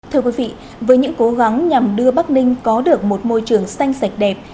thưa quý vị với những cố gắng nhằm đưa bắc ninh có được một môi trường xanh sạch đẹp